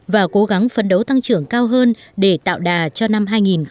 và cố gắng phấn đấu tăng trưởng cao hơn để tạo đà cho năm hai nghìn một mươi chín